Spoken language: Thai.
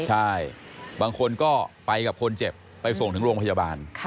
ใช่บางคนก็ไปกับคนเจ็บไปส่งถึงโรงพยาบาล